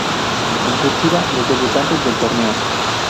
En "cursiva" los debutantes del torneo